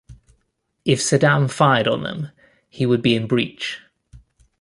"If Saddam fired on them, he would be in breach".